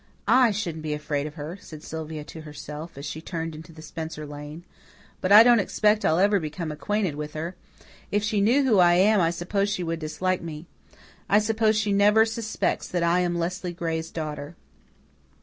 "I shouldn't be afraid of her," said Sylvia to herself, as she turned into the Spencer lane. "But I don't expect I'll ever become acquainted with her. If she knew who I am I suppose she would dislike me. I suppose she never suspects that I am Leslie Gray's daughter."